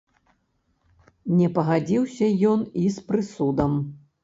Не пагадзіўся ён і з прысудам.